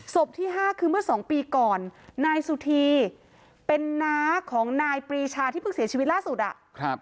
ที่ห้าคือเมื่อสองปีก่อนนายสุธีเป็นน้าของนายปรีชาที่เพิ่งเสียชีวิตล่าสุดอ่ะครับ